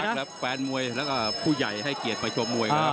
คึกคักแล้วแฟนมวยและผู้ใหญ่ให้เกียจไปชมมวย